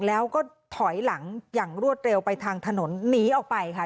แล้วก็ถอยหลังอย่างรวดเร็วไปทางถนนหนีออกไปค่ะ